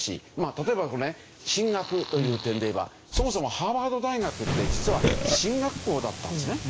例えばこのね神学という点でいえばそもそもハーバード大学って実は神学校だったんですね。